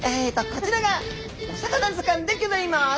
こちらがお魚図鑑でギョざいます！